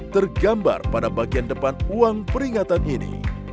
tergambar pada bagian depan uang peringatan ini